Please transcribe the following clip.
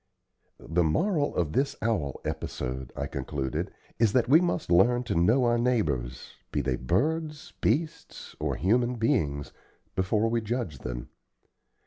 "The moral of this owl episode," I concluded, "is that we must learn to know our neighbors, be they birds, beasts, or human beings, before we judge them.